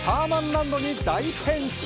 ランドに大変身。